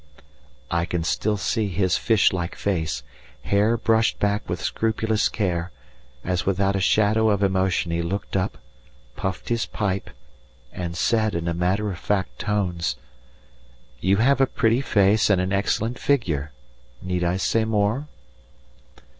I can still see his fish like face, hair brushed back with scrupulous care, as without a shadow of emotion he looked up, puffed his pipe, and said in matter of fact tones: "You have a pretty face and an excellent figure. Need I say more?"